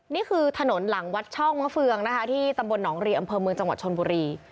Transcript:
นี่คือถนนหลังวัดช่องมะเฟืองนะคะที่ตำบลหนองรีอำเภอเมืองจังหวัดชนบุรี